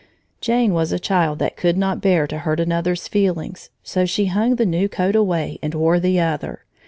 Jane was a child that could not bear to hurt another's feelings, so she hung the new coat away and wore the other.